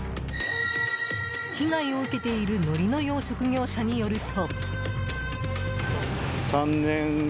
被害を受けているのりの養殖業者によると。